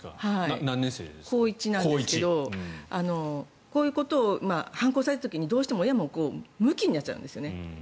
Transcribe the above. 高１なんですけどこういうことを反抗された時に親もどうしてもむきになっちゃうんですよね。